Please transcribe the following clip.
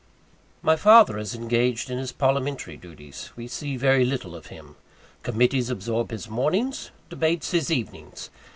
My father is engaged in his parliamentary duties. We see very little of him. Committees absorb his mornings debates his evenings.